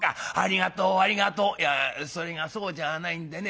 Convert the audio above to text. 「いやそれがそうじゃあないんでね。